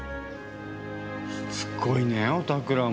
しつこいねおたくらも。